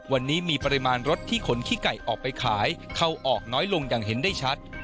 วันนี้มีปริมาณรถที่ขนขี้ไก่ออกไปขายเข้าออกน้อยลงอย่างเห็นได้ชัด